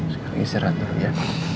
sekarang istirahat dulu ya